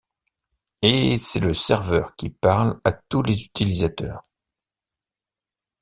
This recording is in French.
Et c'est le serveur qui parle à tous les utilisateurs.